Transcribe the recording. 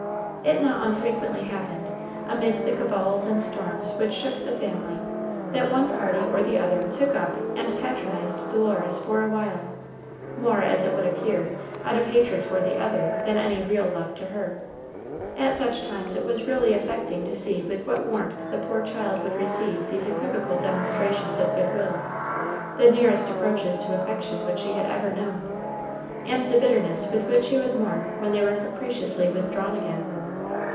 It not unfrequently happened, amid the cabals and storms which shook the family, that one party or the other took up and patronized Dolores for a while, more, as it would appear, out of hatred for the other than any real love to her. At such times it was really affecting to see with what warmth the poor child would receive these equivocal demonstrations of good will the nearest approaches to affection which she had ever known and the bitterness with which she would mourn when they were capriciously withdrawn again.